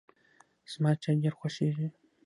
زما چای ډېر خوښیږي.